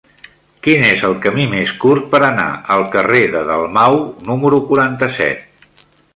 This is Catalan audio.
Quin és el camí més curt per anar al carrer de Dalmau número quaranta-set?